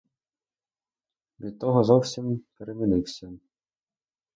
Від того зовсім перемінився.